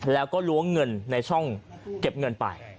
แล้วก็ล้วงเงินในช่องเก็บเงินไป